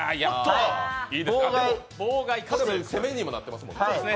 妨害かつ攻めにもなってますもんね。